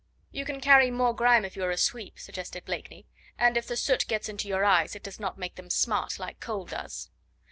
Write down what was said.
"You can carry more grime if you are a sweep," suggested Blakeney; "and if the soot gets into your eyes it does not make them smart like coal does."